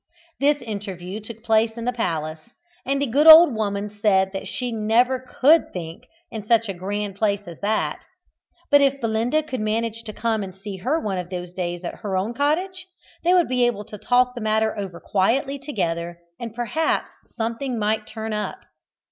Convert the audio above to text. This interview took place in the palace, and the good old woman said that she never could think in such a grand place as that, but that if Belinda could manage to come and see her one of those days at her own cottage, they would be able to talk the matter over quietly together, and perhaps something might turn up.